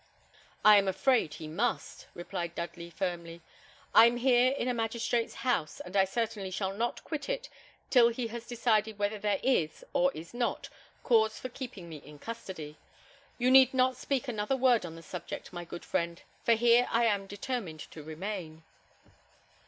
"I am afraid he must," replied Dudley, firmly. "I am here in a magistrate's house, and I certainly shall not quit it till he has decided whether there is, or is not, cause for keeping me in custody. You need not speak another word on the subject, my good friend, for here I am determined to remain."